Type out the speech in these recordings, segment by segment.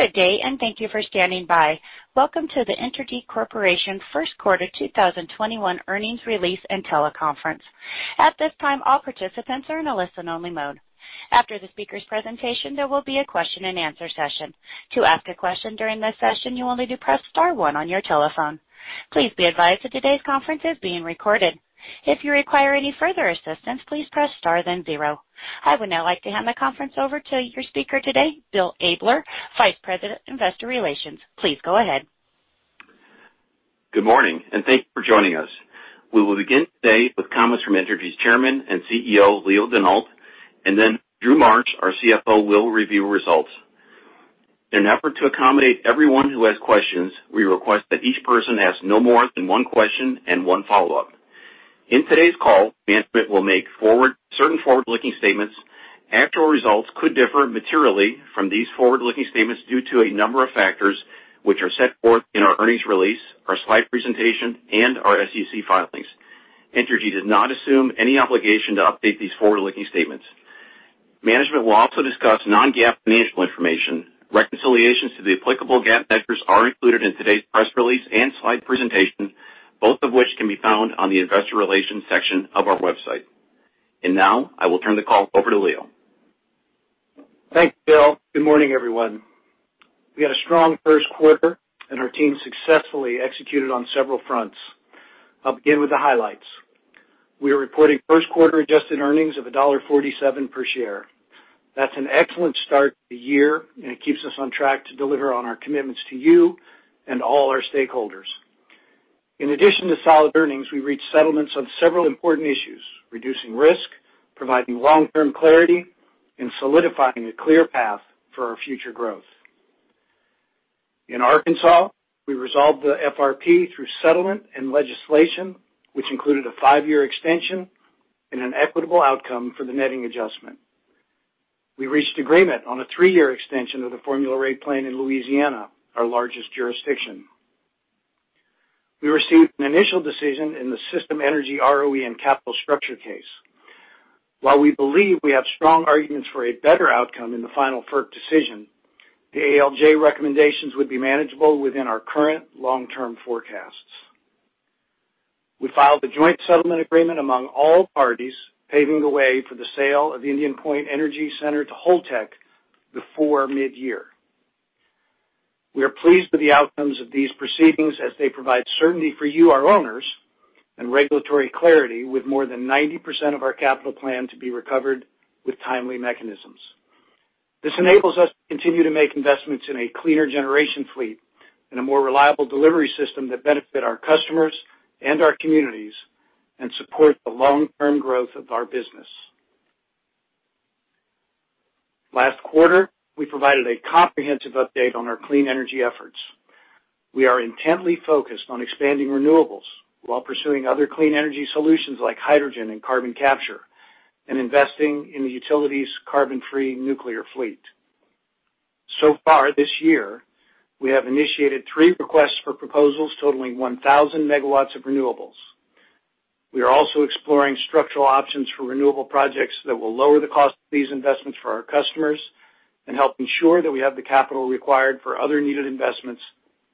Good day, thank you for standing by. Welcome to the Entergy Corporation First Quarter 2021 Earnings Release and Teleconference. At this time, all participants are in a listen-only mode. After the speaker's presentation, there will be a question-and-answer session. To ask a question during this session, you only need to press star one on your telephone. Please be advised that today's conference is being recorded. If you require any further assistance, please press star then zero. I would now like to hand the conference over to your speaker today, Bill Abler, Vice President, Investor Relations. Please go ahead. Good morning, and thank you for joining us. We will begin today with comments from Entergy's Chairman and CEO, Leo Denault, and then Drew Marsh, our CFO, will review results. In an effort to accommodate everyone who has questions, we request that each person ask no more than one question and one follow-up. In today's call, management will make certain forward-looking statements. Actual results could differ materially from these forward-looking statements due to a number of factors, which are set forth in our earnings release, our slide presentation, and our SEC filings. Entergy does not assume any obligation to update these forward-looking statements. Management will also discuss non-GAAP financial information. Reconciliations to the applicable GAAP measures are included in today's press release and slide presentation, both of which can be found on the investor relations section of our website. Now I will turn the call over to Leo. Thanks, Bill. Good morning, everyone. We had a strong first quarter, and our team successfully executed on several fronts. I'll begin with the highlights. We are reporting first quarter adjusted earnings of $1.47 per share. That's an excellent start to the year, and it keeps us on track to deliver on our commitments to you and all our stakeholders. In addition to solid earnings, we reached settlements on several important issues, reducing risk, providing long-term clarity, and solidifying a clear path for our future growth. In Arkansas, we resolved the FRP through settlement and legislation, which included a five-year extension and an equitable outcome for the netting adjustment. We reached agreement on a three-year extension of the formula rate plan in Louisiana, our largest jurisdiction. We received an initial decision in the System Energy ROE and capital structure case. While we believe we have strong arguments for a better outcome in the final FERC decision, the ALJ recommendations would be manageable within our current long-term forecasts. We filed a joint settlement agreement among all parties, paving the way for the sale of the Indian Point Energy Center to Holtec before mid-year. We are pleased with the outcomes of these proceedings as they provide certainty for you, our owners, and regulatory clarity with more than 90% of our capital plan to be recovered with timely mechanisms. This enables us to continue to make investments in a cleaner generation fleet and a more reliable delivery system that benefit our customers and our communities and support the long-term growth of our business. Last quarter, we provided a comprehensive update on our clean energy efforts. We are intently focused on expanding renewables while pursuing other clean energy solutions like hydrogen and carbon capture and investing in the utility's carbon-free nuclear fleet. So far this year, we have initiated three requests for proposals totaling 1,000 MW of renewables. We are also exploring structural options for renewable projects that will lower the cost of these investments for our customers and help ensure that we have the capital required for other needed investments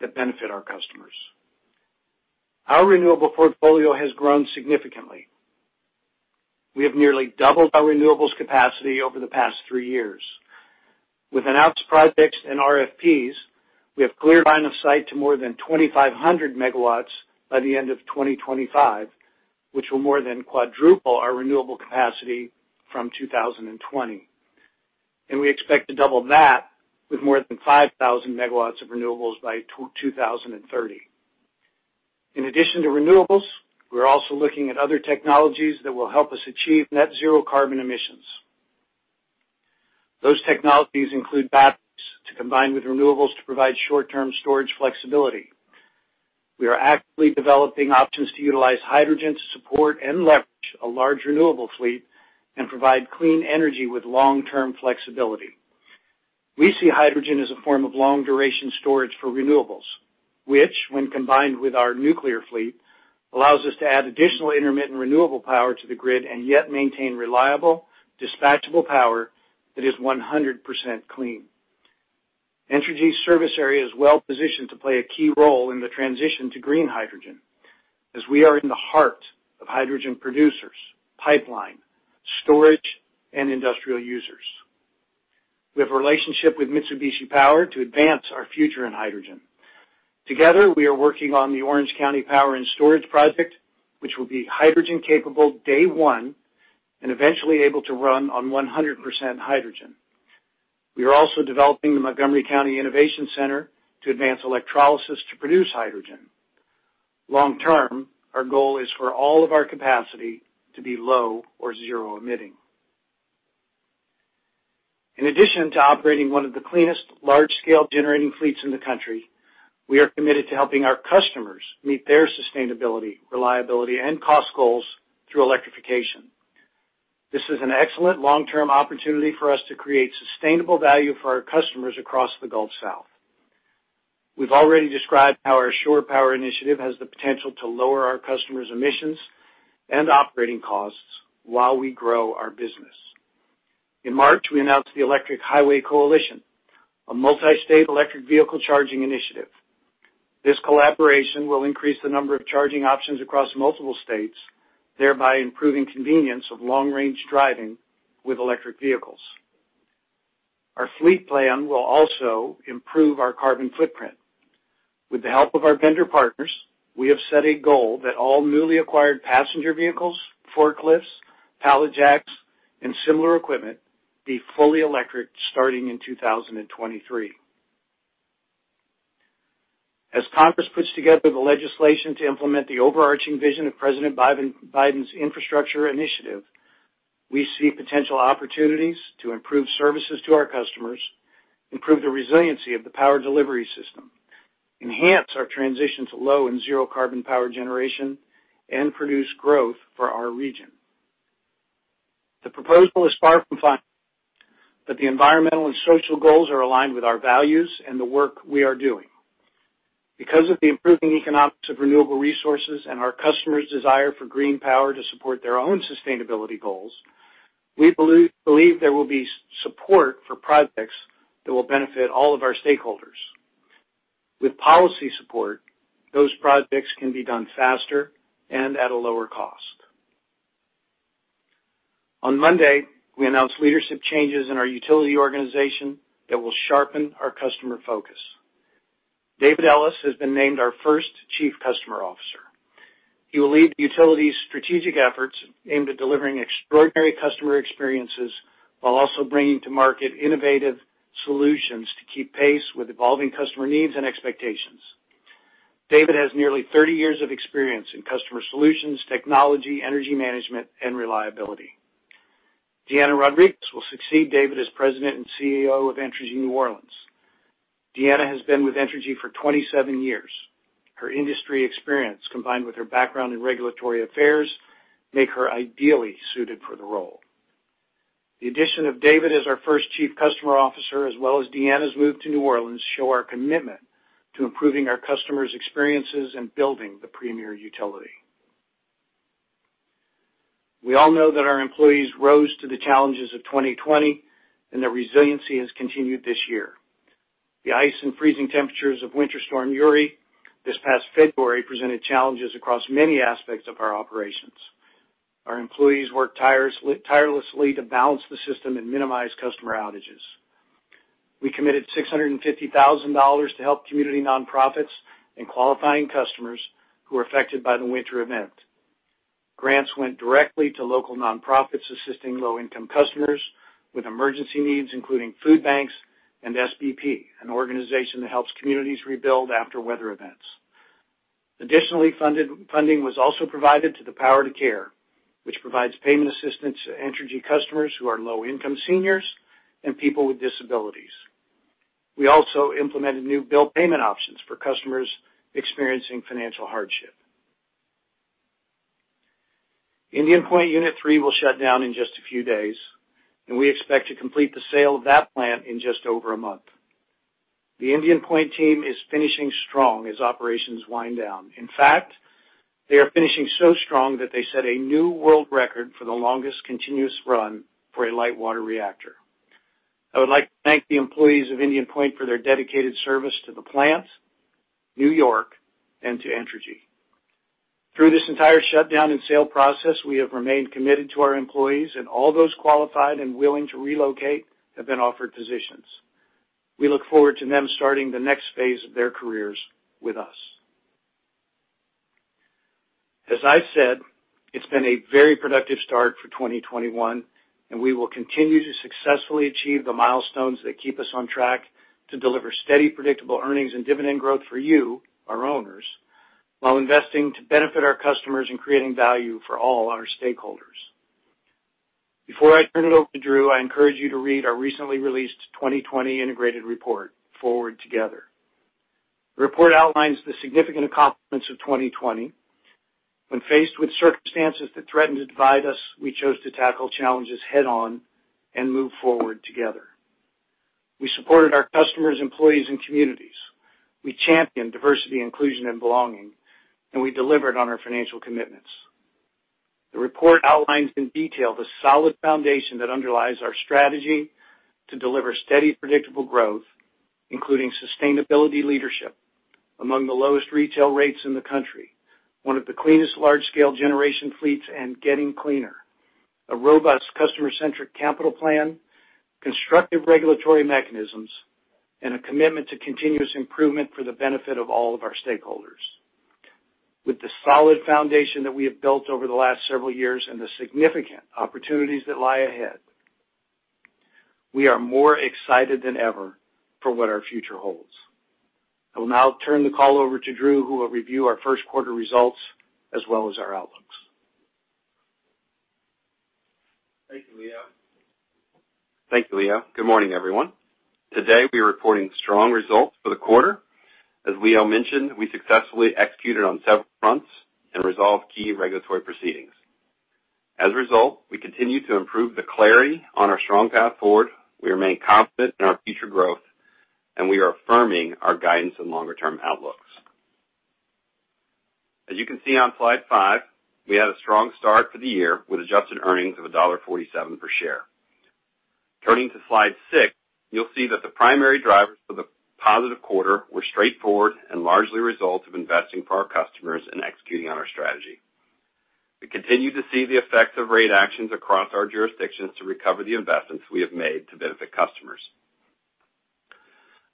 that benefit our customers. Our renewable portfolio has grown significantly. We have nearly doubled our renewables capacity over the past three years. With announced projects and RFPs, we have clear line of sight to more than 2,500 MW by the end of 2025, which will more than quadruple our renewable capacity from 2020. We expect to double that with more than 5,000 MW of renewables by 2030. In addition to renewables, we're also looking at other technologies that will help us achieve net zero carbon emissions. Those technologies include batteries to combine with renewables to provide short-term storage flexibility. We are actively developing options to utilize hydrogen to support and leverage a large renewable fleet and provide clean energy with long-term flexibility. We see hydrogen as a form of long-duration storage for renewables, which, when combined with our nuclear fleet, allows us to add additional intermittent renewable power to the grid and yet maintain reliable, dispatchable power that is 100% clean. Entergy's service area is well-positioned to play a key role in the transition to green hydrogen, as we are in the heart of hydrogen producers, pipeline, storage, and industrial users. We have a relationship with Mitsubishi Power to advance our future in hydrogen. Together, we are working on the Orange County Advanced Power Station, which will be hydrogen-capable day one and eventually able to run on 100% hydrogen. We are also developing the Montgomery County Innovation Center to advance electrolysis to produce hydrogen. Long-term, our goal is for all of our capacity to be low or zero emitting. In addition to operating one of the cleanest large-scale generating fleets in the country, we are committed to helping our customers meet their sustainability, reliability, and cost goals through electrification. This is an excellent long-term opportunity for us to create sustainable value for our customers across the Gulf South. We've already described how our shore power initiative has the potential to lower our customers' emissions and operating costs while we grow our business. In March, we announced the Electric Highway Coalition, a multi-state electric vehicle charging initiative. This collaboration will increase the number of charging options across multiple states, thereby improving convenience of long-range driving with electric vehicles. Our fleet plan will also improve our carbon footprint. With the help of our vendor partners, we have set a goal that all newly acquired passenger vehicles, forklifts, pallet jacks, and similar equipment be fully electric starting in 2023. As Congress puts together the legislation to implement the overarching vision of President Biden's infrastructure initiative, we see potential opportunities to improve services to our customers, improve the resiliency of the power delivery system, enhance our transition to low and zero carbon power generation, and produce growth for our region. The proposal is far from final, but the environmental and social goals are aligned with our values and the work we are doing. Because of the improving economics of renewable resources and our customers' desire for green power to support their own sustainability goals, we believe there will be support for projects that will benefit all of our stakeholders. With policy support, those projects can be done faster and at a lower cost. On Monday, we announced leadership changes in our utility organization that will sharpen our customer focus. David Ellis has been named our first Chief Customer Officer. He will lead the utility's strategic efforts aimed at delivering extraordinary customer experiences while also bringing to market innovative solutions to keep pace with evolving customer needs and expectations. David has nearly 30 years of experience in customer solutions, technology, energy management, and reliability. Deanna Rodriguez will succeed David as President and CEO of Entergy New Orleans. Deanna has been with Entergy for 27 years. Her industry experience, combined with her background in regulatory affairs, make her ideally suited for the role. The addition of David Ellis as our first Chief Customer Officer, as well as Deanna Rodriguez's move to Entergy New Orleans, show our commitment to improving our customers' experiences and building the premier utility. We all know that our employees rose to the challenges of 2020, and their resiliency has continued this year. The ice and freezing temperatures of Winter Storm Uri this past February presented challenges across many aspects of our operations. Our employees worked tirelessly to balance the system and minimize customer outages. We committed $650,000 to help community nonprofits and qualifying customers who were affected by the winter event. Grants went directly to local nonprofits assisting low-income customers with emergency needs, including food banks and SBP, an organization that helps communities rebuild after weather events. Additionally, funding was also provided to The Power to Care, which provides payment assistance to Entergy customers who are low-income seniors and people with disabilities. We also implemented new bill payment options for customers experiencing financial hardship. Indian Point Unit 3 will shut down in just a few days, and we expect to complete the sale of that plant in just over a month. The Indian Point team is finishing strong as operations wind down. In fact, they are finishing so strong that they set a new world record for the longest continuous run for a light water reactor. I would like to thank the employees of Indian Point for their dedicated service to the plant, New York, and to Entergy. Through this entire shutdown and sale process, we have remained committed to our employees, and all those qualified and willing to relocate have been offered positions. We look forward to them starting the next phase of their careers with us. As I've said, it's been a very productive start for 2021, and we will continue to successfully achieve the milestones that keep us on track to deliver steady, predictable earnings and dividend growth for you, our owners, while investing to benefit our customers and creating value for all our stakeholders. Before I turn it over to Drew, I encourage you to read our recently released 2020 integrated report, Forward Together. The report outlines the significant accomplishments of 2020. When faced with circumstances that threatened to divide us, we chose to tackle challenges head-on and move forward together. We supported our customers, employees, and communities. We championed diversity, inclusion, and belonging, and we delivered on our financial commitments. The report outlines in detail the solid foundation that underlies our strategy to deliver steady, predictable growth, including sustainability leadership, among the lowest retail rates in the country, one of the cleanest large-scale generation fleets and getting cleaner, a robust customer-centric capital plan, constructive regulatory mechanisms, and a commitment to continuous improvement for the benefit of all of our stakeholders. With the solid foundation that we have built over the last several years and the significant opportunities that lie ahead, we are more excited than ever for what our future holds. I will now turn the call over to Drew, who will review our first quarter results as well as our outlooks. Thank you, Leo. Good morning, everyone. Today, we are reporting strong results for the quarter. As Leo mentioned, we successfully executed on several fronts and resolved key regulatory proceedings. As a result, we continue to improve the clarity on our strong path forward, we remain confident in our future growth, and we are affirming our guidance and longer-term outlooks. As you can see on slide five, we had a strong start to the year with adjusted earnings of $1.47 per share. Turning to slide six, you'll see that the primary drivers for the positive quarter were straightforward and largely a result of investing for our customers and executing on our strategy. We continue to see the effects of rate actions across our jurisdictions to recover the investments we have made to benefit customers.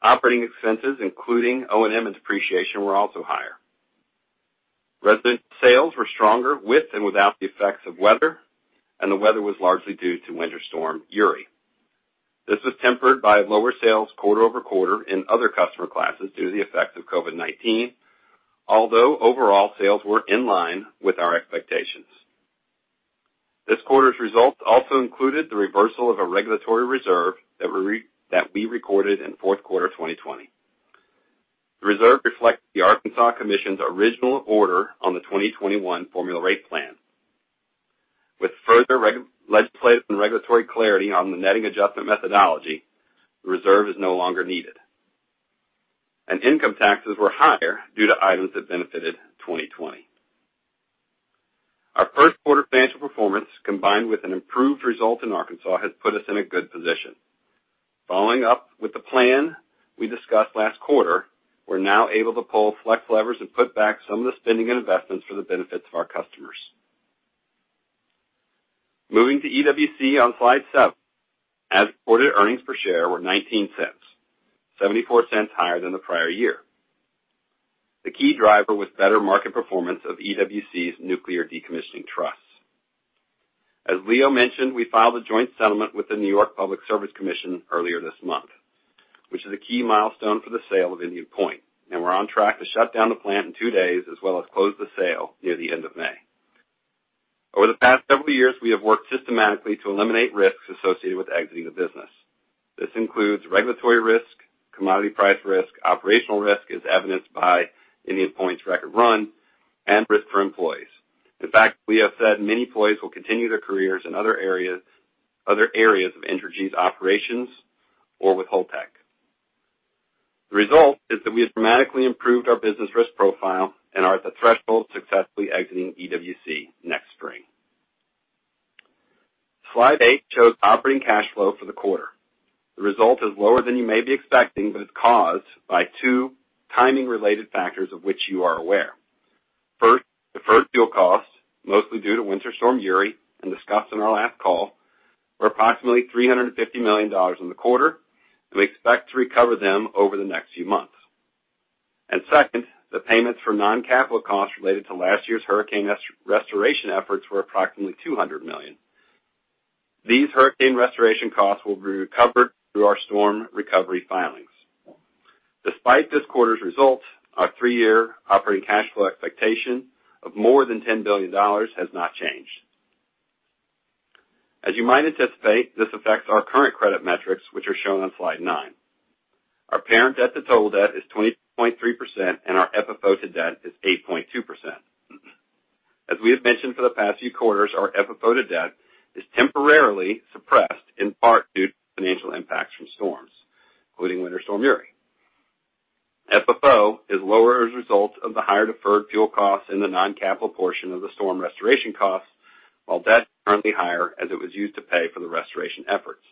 Operating expenses, including O&M and depreciation, were also higher. Residential sales were stronger with and without the effects of weather, and the weather was largely due to Winter Storm Uri. This was tempered by lower sales quarter-over-quarter in other customer classes due to the effects of COVID-19. Overall sales were in line with our expectations. This quarter's results also included the reversal of a regulatory reserve that we recorded in fourth quarter 2020. The reserve reflects the Arkansas Commission's original order on the 2021 formula rate plan. With further legislative and regulatory clarity on the netting adjustment methodology, the reserve is no longer needed. Income taxes were higher due to items that benefited 2020. Our first quarter financial performance, combined with an improved result in Arkansas, has put us in a good position. Following up with the plan we discussed last quarter, we're now able to pull flex levers and put back some of the spending and investments for the benefits of our customers. Moving to EWC on slide seven. As reported, earnings per share were $0.19, $0.74 higher than the prior year. The key driver was better market performance of EWC's nuclear decommissioning trusts. As Leo mentioned, we filed a joint settlement with the New York Public Service Commission earlier this month, which is a key milestone for the sale of Indian Point, and we're on track to shut down the plant in two days, as well as close the sale near the end of May. Over the past several years, we have worked systematically to eliminate risks associated with exiting the business. This includes regulatory risk, commodity price risk, operational risk, as evidenced by Indian Point's record run, and risk for employees. In fact, we have said many employees will continue their careers in other areas of Entergy's operations or with Holtec. The result is that we have dramatically improved our business risk profile and are at the threshold of successfully exiting EWC next spring. Slide eight shows operating cash flow for the quarter. The result is lower than you may be expecting, but it's caused by two timing-related factors of which you are aware. First, deferred fuel costs, mostly due to Winter Storm Uri, and discussed on our last call, were approximately $350 million in the quarter, and we expect to recover them over the next few months. Second, the payments for non-capital costs related to last year's hurricane restoration efforts were approximately $200 million. These hurricane restoration costs will be recovered through our storm recovery filings. Despite this quarter's results, our three-year operating cash flow expectation of more than $10 billion has not changed. As you might anticipate, this affects our current credit metrics, which are shown on slide nine. Our parent debt to total debt is 20.3%, and our FFO to debt is 8.2%. As we have mentioned for the past few quarters, our FFO to debt is temporarily suppressed, in part due to financial impacts from storms, including Winter Storm Uri. FFO is lower as a result of the higher deferred fuel costs in the non-capital portion of the storm restoration costs, while debt is currently higher as it was used to pay for the restoration efforts.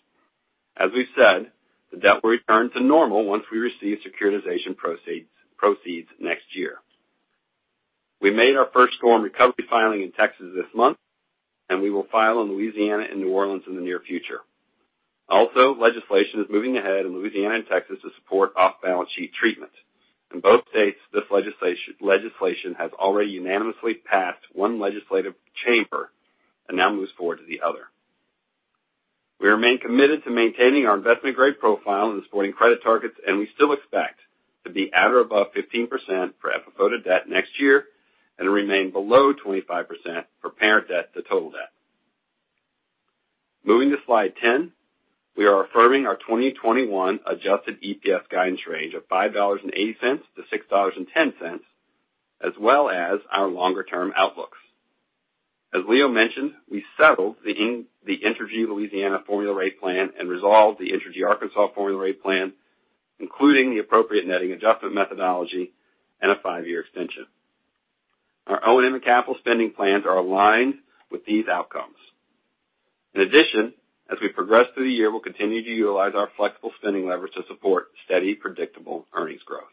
As we've said, the debt will return to normal once we receive securitization proceeds next year. We made our first storm recovery filing in Texas this month, and we will file in Louisiana and Entergy New Orleans in the near future. Legislation is moving ahead in Louisiana and Texas to support off-balance sheet treatment. In both states, this legislation has already unanimously passed one legislative chamber and now moves forward to the other. We remain committed to maintaining our investment-grade profile and supporting credit targets, and we still expect to be at or above 15% for FFO to debt next year and remain below 25% for parent debt to total debt. Moving to slide 10, we are affirming our 2021 adjusted EPS guidance range of $5.80 to $6.10, as well as our longer term outlooks. As Leo mentioned, we settled the Entergy Louisiana formula rate plan and resolved the Entergy Arkansas formula rate plan, including the appropriate netting adjustment methodology and a five-year extension. Our O&M and capital spending plans are aligned with these outcomes. In addition, as we progress through the year, we'll continue to utilize our flexible spending leverage to support steady, predictable earnings growth.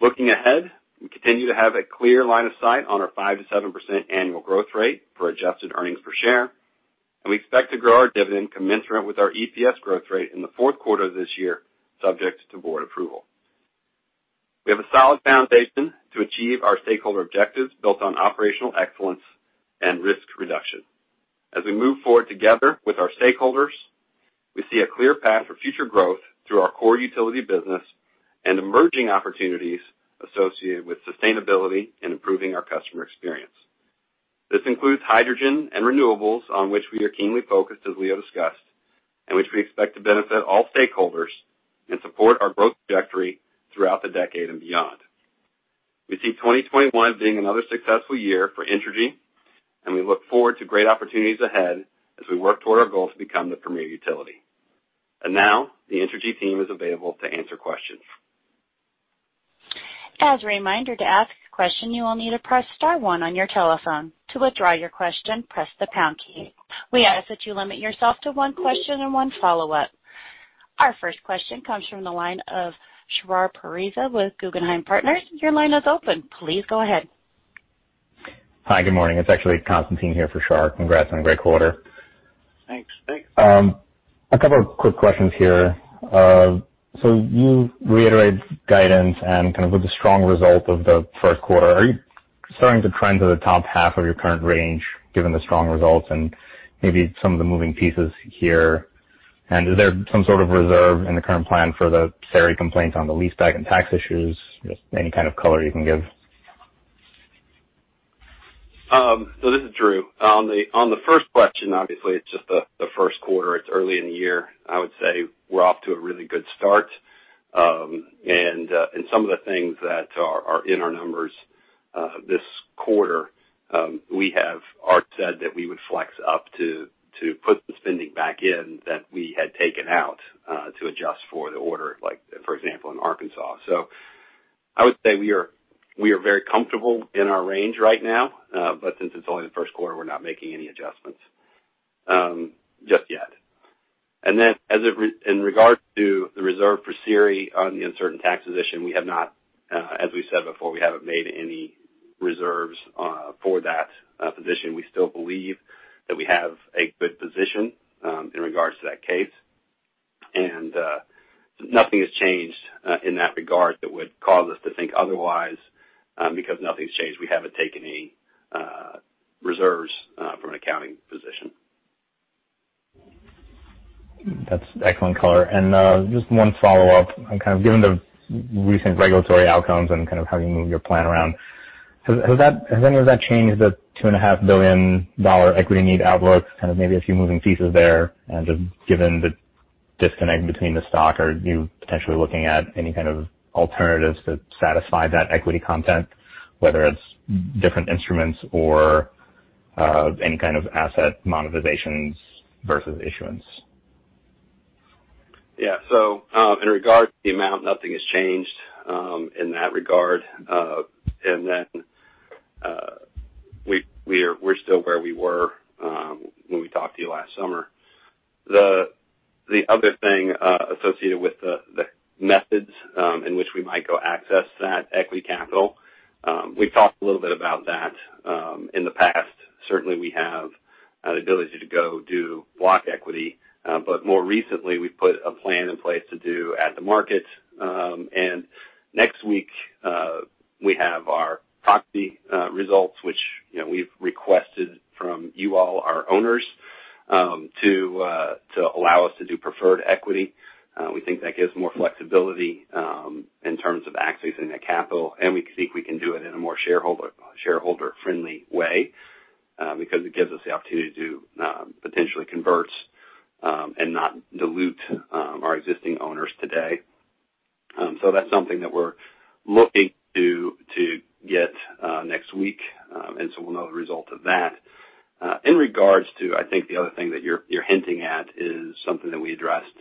Looking ahead, we continue to have a clear line of sight on our 5%-7% annual growth rate for adjusted earnings per share, and we expect to grow our dividend commensurate with our EPS growth rate in the fourth quarter of this year, subject to board approval. We have a solid foundation to achieve our stakeholder objectives built on operational excellence and risk reduction. As we move Forward Together with our stakeholders, we see a clear path for future growth through our core utility business and emerging opportunities associated with sustainability and improving our customer experience. This includes hydrogen and renewables, on which we are keenly focused, as Leo discussed, and which we expect to benefit all stakeholders and support our growth trajectory throughout the decade and beyond. We see 2021 as being another successful year for Entergy, and we look forward to great opportunities ahead as we work toward our goal to become the premier utility. Now, the Entergy team is available to answer questions. We ask that you limit yourself to one question and one follow-up. Our first question comes from the line of Shahriar Pourreza with Guggenheim Partners. Your line is open. Please go ahead. Hi. Good morning. It's actually Constantine Lednev here for Shahriar Pourreza. Congrats on a great quarter. Thanks. A couple of quick questions here. You reiterated guidance and with the strong result of the first quarter, are you starting to trend to the top half of your current range given the strong results and maybe some of the moving pieces here? Is there some sort of reserve in the current plan for the SERI complaint on the leaseback and tax issues? Just any kind of color you can give. This is Drew. On the first question, obviously, it's just the first quarter. It's early in the year. I would say we're off to a really good start. Some of the things that are in our numbers this quarter, we have said that we would flex up to put the spending back in that we had taken out to adjust for the order, like for example, in Arkansas. I would say we are very comfortable in our range right now. Since it's only the first quarter, we're not making any adjustments just yet. In regard to the reserve for SERI on the uncertain tax position, as we said before, we haven't made any reserves for that position. We still believe that we have a good position in regards to that case. Nothing has changed in that regard that would cause us to think otherwise. Because nothing's changed, we haven't taken any reserves from an accounting position. That's excellent color. Just one follow-up. Given the recent regulatory outcomes and how you move your plan around, has any of that changed the $2.5 billion equity need outlook? Kind of maybe a few moving pieces there and just given the disconnect between the stock, are you potentially looking at any kind of alternatives to satisfy that equity content, whether it's different instruments or any kind of asset monetizations versus issuance? Yeah. In regard to the amount, nothing has changed in that regard. We're still where we were when we talked to you last summer. The other thing associated with the methods in which we might go access that equity capital, we've talked a little bit about that in the past. Certainly, we have an ability to go do block equity. More recently, we've put a plan in place to do at-the-market. Next week, we have our proxy results, which we've requested from you all, our owners, to allow us to do preferred equity. We think that gives more flexibility in terms of accessing the capital, and we think we can do it in a more shareholder-friendly way because it gives us the opportunity to potentially convert and not dilute our existing owners today. That's something that we're looking to get next week. We'll know the result of that. In regards to, I think the other thing that you're hinting at is something that we addressed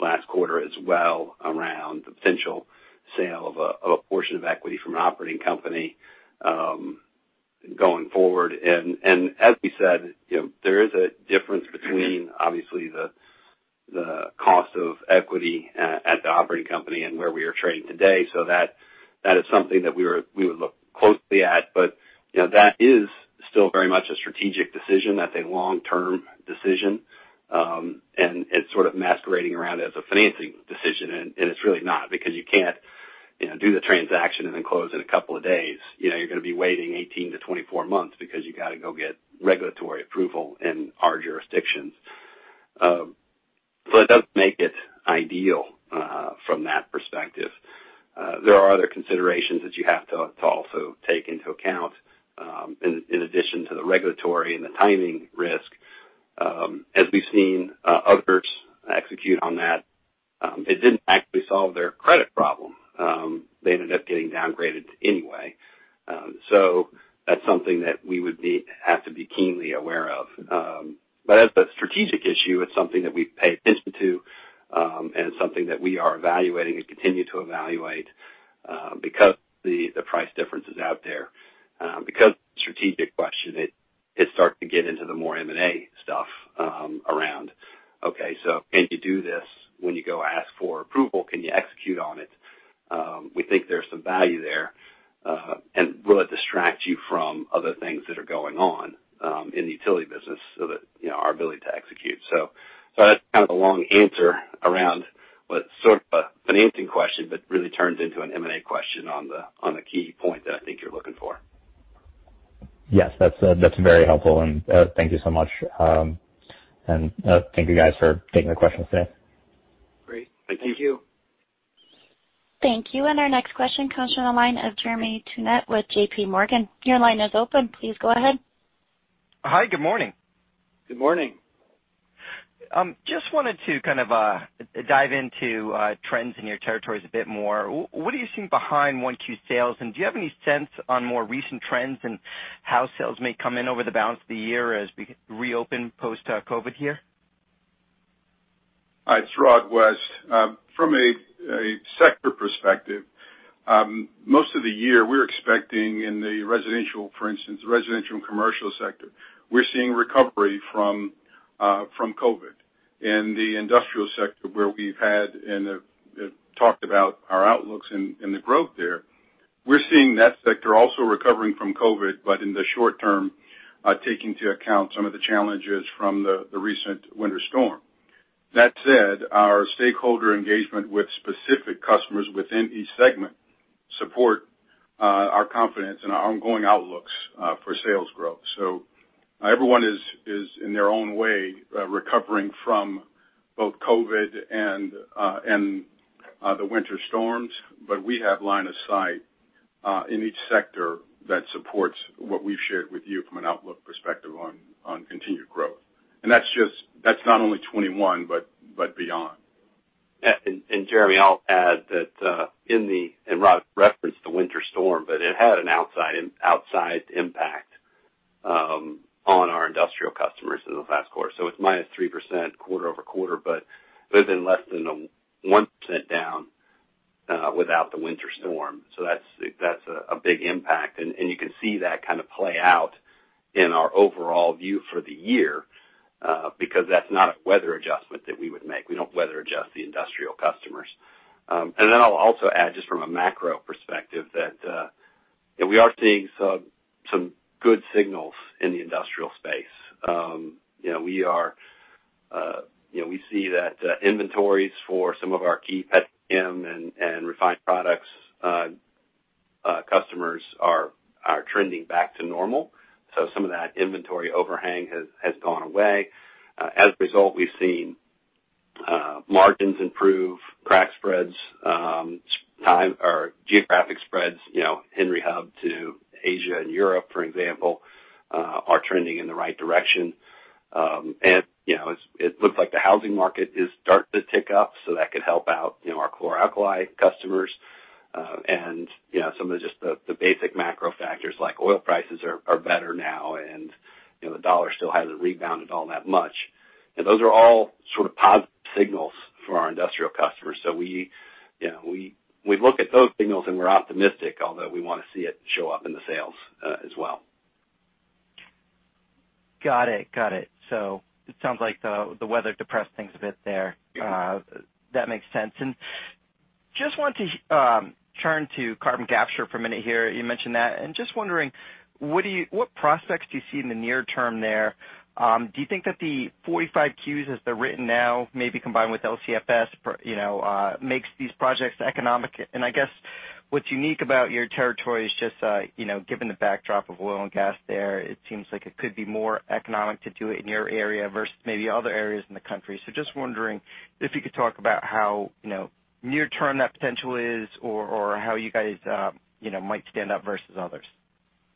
last quarter as well around the potential sale of a portion of equity from an operating company going forward. As we said, there is a difference between, obviously, the cost of equity at the operating company and where we are trading today. That is something that we would look closely at. That is still very much a strategic decision. That's a long-term decision. It's sort of masquerading around as a financing decision, and it's really not because you can't do the transaction and then close in a couple of days. You're going to be waiting 18 to 24 months because you got to go get regulatory approval in our jurisdictions. It doesn't make it ideal from that perspective. There are other considerations that you have to also take into account in addition to the regulatory and the timing risk. As we've seen others execute on that, it didn't actually solve their credit problem. They ended up getting downgraded anyway. That's something that we would have to be keenly aware of. As a strategic issue, it's something that we pay attention to, and it's something that we are evaluating and continue to evaluate because the price difference is out there. Strategic question, it starts to get into the more M&A stuff around, okay, can you do this when you go ask for approval? Can you execute on it? We think there's some value there. Will it distract you from other things that are going on in the utility business so that our ability to execute. That's kind of a long answer around what's sort of a financing question, but really turns into an M&A question on the key point that I think you're looking for. Yes, that's very helpful, thank you so much. Thank you guys for taking the questions today. Great. Thank you. Thank you. Thank you. Our next question comes from the line of Jeremy Tonet with JPMorgan. Your line is open. Please go ahead. Hi. Good morning. Good morning. Just wanted to kind of dive into trends in your territories a bit more. What are you seeing behind 1Q sales, and do you have any sense on more recent trends and how sales may come in over the balance of the year as we reopen post-COVID here? It's Rod West. From a sector perspective, most of the year we're expecting in the residential, for instance, residential and commercial sector, we're seeing recovery from COVID. In the industrial sector where we've had and have talked about our outlooks and the growth there, we're seeing that sector also recovering from COVID, but in the short term, taking into account some of the challenges from the recent winter storm. That said, our stakeholder engagement with specific customers within each segment support our confidence in our ongoing outlooks for sales growth. Everyone is in their own way recovering from both COVID and the winter storms, but we have line of sight in each sector that supports what we've shared with you from an outlook perspective on continued growth. That's not only 2021, but beyond. Jeremy, I'll add that Rod referenced the winter storm, but it had an outsized impact on our industrial customers in the last quarter. It's -3% quarter-over-quarter, but it would have been less than a 1% down without the winter storm. That's a big impact, and you can see that kind of play out in our overall view for the year because that's not a weather adjustment that we would make. We don't weather adjust the industrial customers. Then I'll also add just from a macro perspective that we are seeing some good signals in the industrial space. We see that inventories for some of our key petchem and refined products customers are trending back to normal. Some of that inventory overhang has gone away. As a result, we've seen margins improve, crack spreads, time or geographic spreads, Henry Hub to Asia and Europe, for example, are trending in the right direction. It looks like the housing market is starting to tick up so that could help out our chlor-alkali customers. Some of just the basic macro factors like oil prices are better now and the dollar still hasn't rebounded all that much. Those are all sort of positive signals for our industrial customers. We look at those signals and we're optimistic, although we want to see it show up in the sales as well. Got it. It sounds like the weather depressed things a bit there. That makes sense. Just want to turn to carbon capture for a minute here. You mentioned that, and just wondering, what prospects do you see in the near term there? Do you think that the 45Qs as they're written now, maybe combined with LCFS makes these projects economic? I guess what's unique about your territory is just given the backdrop of oil and gas there, it seems like it could be more economic to do it in your area versus maybe other areas in the country. Just wondering if you could talk about how near-term that potential is or how you guys might stand out versus others.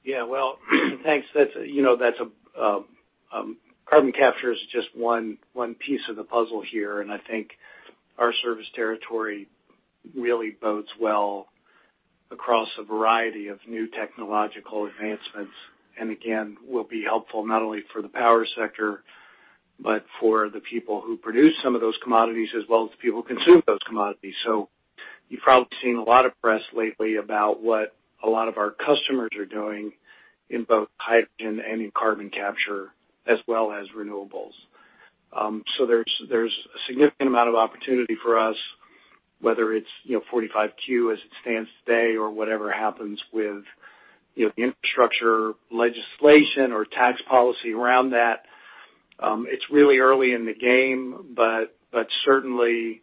Yeah. Well thanks. Carbon capture is just one piece of the puzzle here, and I think our service territory really bodes well across a variety of new technological advancements. Again, will be helpful not only for the power sector, but for the people who produce some of those commodities as well as the people who consume those commodities. You've probably seen a lot of press lately about what a lot of our customers are doing in both hydrogen and in carbon capture as well as renewables. There's a significant amount of opportunity for us, whether it's 45Q as it stands today or whatever happens with infrastructure legislation or tax policy around that. It's really early in the game, certainly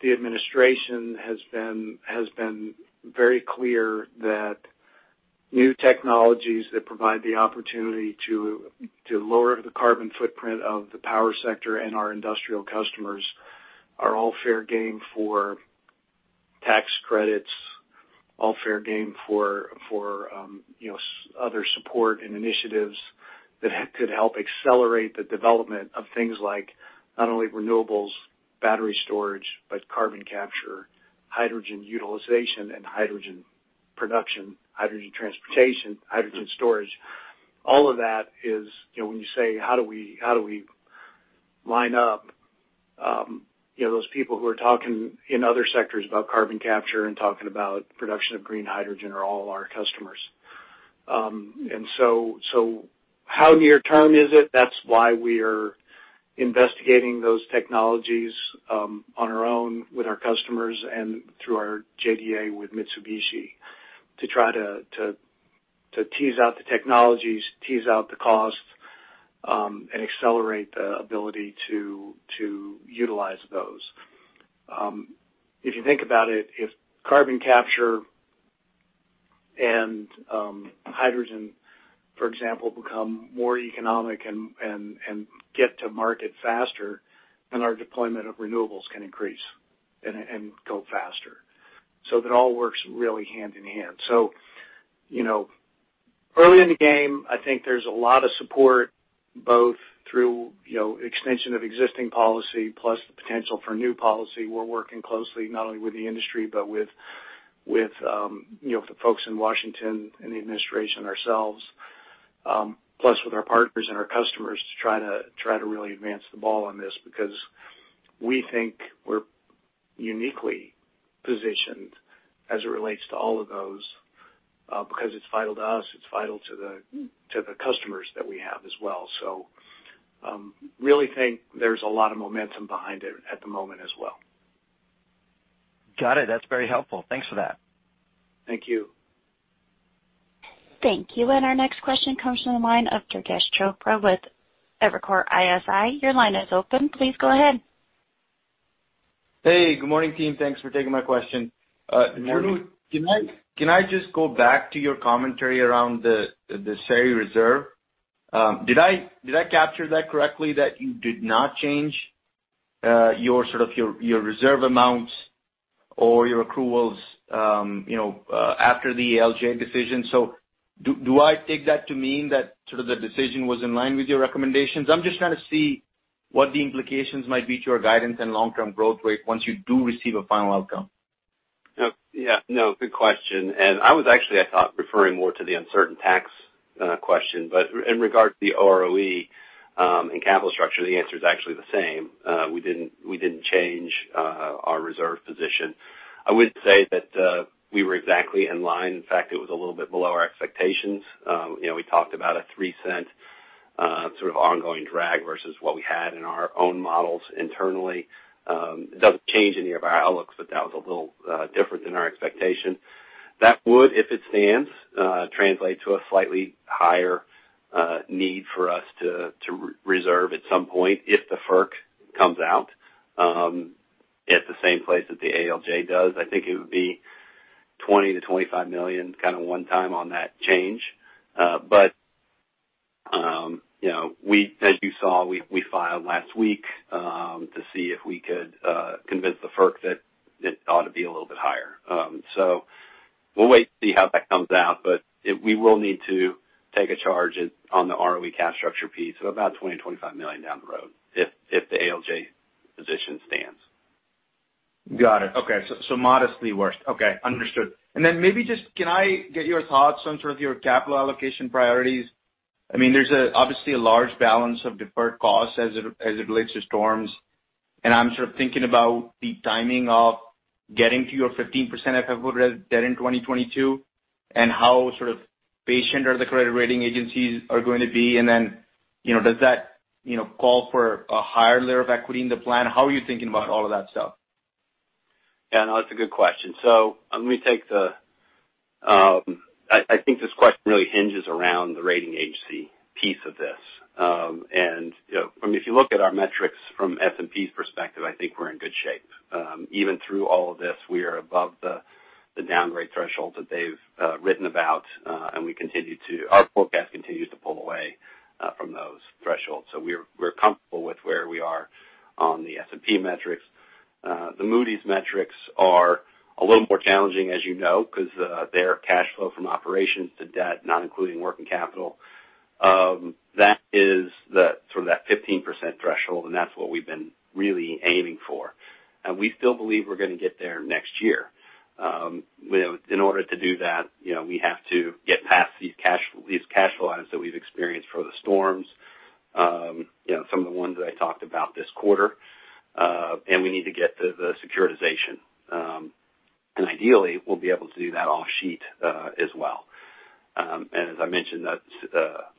the administration has been very clear that new technologies that provide the opportunity to lower the carbon footprint of the power sector and our industrial customers are all fair game for tax credits, all fair game for other support and initiatives that could help accelerate the development of things like not only renewables, battery storage, but carbon capture, hydrogen utilization and hydrogen production, hydrogen transportation, hydrogen storage. All of that is when you say how do we line up those people who are talking in other sectors about carbon capture and talking about production of green hydrogen are all our customers. How near-term is it? That's why we are investigating those technologies on our own with our customers and through our JDA with Mitsubishi to try to tease out the technologies, tease out the cost, and accelerate the ability to utilize those. If you think about it, if carbon capture and hydrogen, for example, become more economic and get to market faster, then our deployment of renewables can increase and go faster. That all works really hand-in-hand. You know. Early in the game, I think there's a lot of support both through extension of existing policy plus the potential for new policy. We're working closely not only with the industry but with the folks in Washington and the administration ourselves, plus with our partners and our customers to try to really advance the ball on this because we think we're uniquely positioned as it relates to all of those because it's vital to us, it's vital to the customers that we have as well. Really think there's a lot of momentum behind it at the moment as well. Got it. That's very helpful. Thanks for that. Thank you. Thank you. Our next question comes from the line of Durgesh Chopra with Evercore ISI. Your line is open. Please go ahead. Hey, good morning, team. Thanks for taking my question. Good morning. Drew, can I just go back to your commentary around the SERI Reserve? Did I capture that correctly that you did not change your reserve amounts or your accruals after the ALJ decision? Do I take that to mean that the decision was in line with your recommendations? I'm just trying to see what the implications might be to your guidance and long-term growth rate once you do receive a final outcome. Yeah. No, good question. I was actually, I thought, referring more to the uncertain tax question. In regard to the ROE and capital structure, the answer is actually the same. We didn't change our reserve position. I wouldn't say that we were exactly in line. In fact, it was a little bit below our expectations. We talked about a $0.03 ongoing drag versus what we had in our own models internally. It doesn't change any of our outlooks, but that was a little different than our expectation. That would, if it stands, translate to a slightly higher need for us to reserve at some point if the FERC comes out at the same place that the ALJ does. I think it would be $20 million to $25 million kind of one time on that change. As you saw, we filed last week to see if we could convince the FERC that it ought to be a little bit higher. We'll wait to see how that comes out, but we will need to take a charge on the ROE cap structure piece of about $20 million to $25 million down the road if the ALJ position stands. Got it. Okay. Modestly worse. Okay. Understood. Maybe just can I get your thoughts on your capital allocation priorities? There's obviously a large balance of deferred costs as it relates to storms, and I'm sort of thinking about the timing of getting to your 15% FFO debt in 2022 and how sort of patient are the credit rating agencies are going to be. Does that call for a higher layer of equity in the plan? How are you thinking about all of that stuff? Yeah, no, that's a good question. I think this question really hinges around the rating agency piece of this. If you look at our metrics from S&P's perspective, I think we're in good shape. Even through all of this, we are above the downgrade threshold that they've written about, and our forecast continues to pull away from those thresholds. We're comfortable with where we are on the S&P metrics. The Moody's metrics are a little more challenging, as you know, because their cash flow from operations to debt, not including working capital. That is that sort of that 15% threshold, and that's what we've been really aiming for. We still believe we're going to get there next year. In order to do that, we have to get past these cash flows that we've experienced for the storms. Some of the ones that I talked about this quarter, we need to get the securitization. Ideally, we'll be able to do that off sheet as well. As I mentioned, that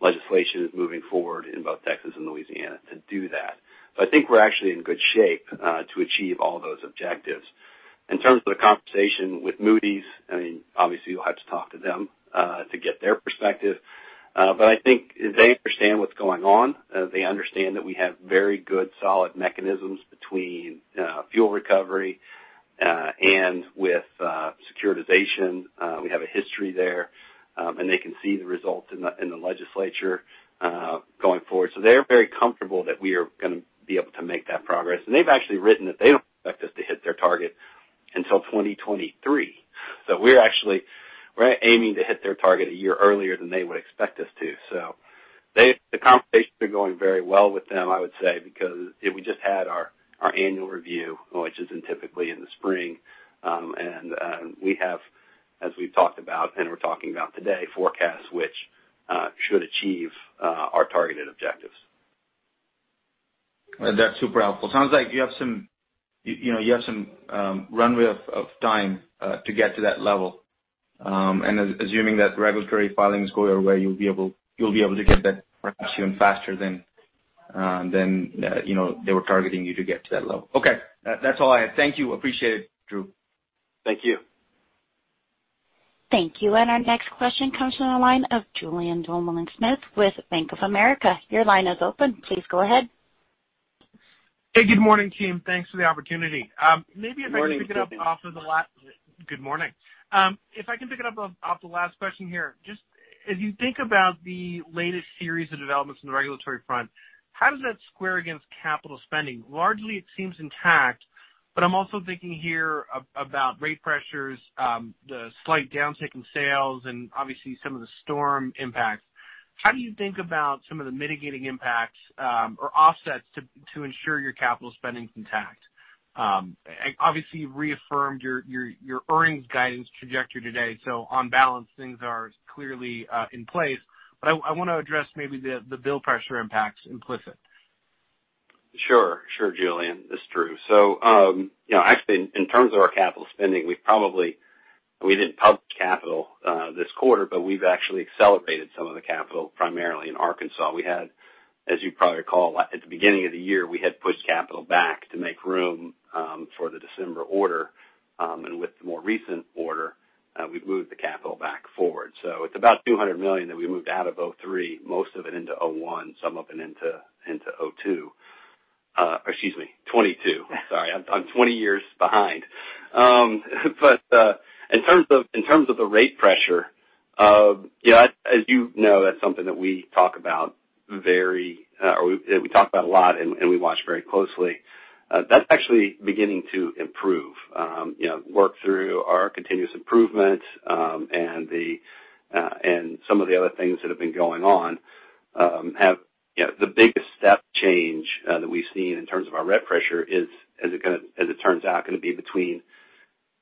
legislation is moving forward in both Texas and Louisiana to do that. I think we're actually in good shape to achieve all those objectives. In terms of the conversation with Moody's, obviously you'll have to talk to them to get their perspective. I think they understand what's going on. They understand that we have very good, solid mechanisms between fuel recovery and with securitization. We have a history there, and they can see the results in the legislature going forward. They're very comfortable that we are going to be able to make that progress. They've actually written that they don't expect us to hit their target until 2023. We're actually aiming to hit their target a year earlier than they would expect us to. The conversations are going very well with them, I would say because we just had our annual review, which is typically in the spring, and we have, as we've talked about and we're talking about today, forecasts which should achieve our targeted objectives. That's super helpful. Sounds like you have some runway of time to get to that level. Assuming that regulatory filings go your way, you'll be able to get that faster than they were targeting you to get to that level. Okay. That's all I have. Thank you. Appreciate it, Drew. Thank you. Thank you. Our next question comes from the line of Julien Dumoulin-Smith with Bank of America. Your line is open. Please go ahead. Hey, good morning, team. Thanks for the opportunity. Morning, Julien. Good morning. If I can pick it up off the last question here, just as you think about the latest series of developments in the regulatory front, how does that square against capital spending? Largely, it seems intact, but I'm also thinking here about rate pressures, the slight downtick in sales, and obviously some of the storm impacts. How do you think about some of the mitigating impacts, or offsets to ensure your capital spending is intact? Obviously, you've reaffirmed your earnings guidance trajectory today, so on balance, things are clearly in place. I want to address maybe the bill pressure impacts implicit. Sure, Julien. That's true. Actually in terms of our capital spending, we didn't publish capital this quarter, but we've actually accelerated some of the capital, primarily in Arkansas. As you probably recall, at the beginning of the year, we had pushed capital back to make room for the December order. With the more recent order, we've moved the capital back forward. It's about $200 million that we moved out of 2023, most of it into 2021, some of it into 2022. Excuse me, 2022. Sorry, I'm 20 years behind. In terms of the rate pressure, as you know, that's something that we talk about a lot and we watch very closely. That's actually beginning to improve. Work through our continuous improvement, some of the other things that have been going on have the biggest step change that we've seen in terms of our rate pressure is, as it turns out, going to be between